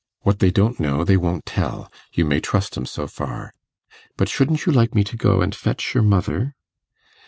What they don't know, they won't tell; you may trust 'em so far. But shouldn't you like me to go and fetch your mother?